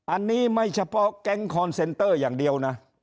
อันนี้ไม่เฉพาะแก๊งคอนเซนเตอร์อย่างเดียวนะ